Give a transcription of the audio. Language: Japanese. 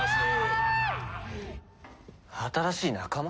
新しい仲間？